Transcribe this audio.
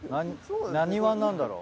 何ワンなんだろう。